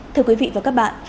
thưa quý vị và các bạn